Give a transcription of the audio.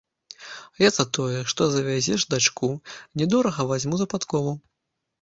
Я за тое, што завязеш дачку, не дорага вазьму за падкову.